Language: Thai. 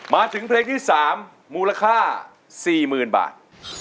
มาถึงเพลงที่๓มูลค่า๔๐๐๐บาท